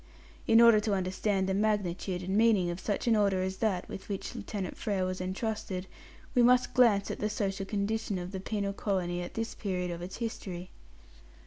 In order to understand the magnitude and meaning of such an order as that with which Lieutenant Frere was entrusted, we must glance at the social condition of the penal colony at this period of its history.